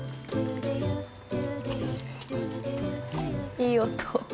いい音。